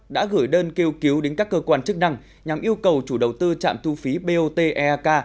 đã gửi đơn kêu cứu đến các cơ quan chức năng nhằm yêu cầu chủ đầu tư trạm thu phí bot eak